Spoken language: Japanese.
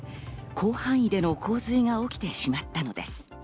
広範囲での洪水が起きてしまったのです。